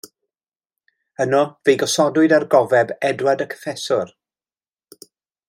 Yno, fe'i gosodwyd ar gofeb Edward y Cyffeswr.